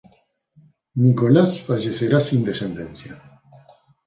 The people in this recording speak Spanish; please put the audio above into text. Nicolas fallecerá sin descendencia.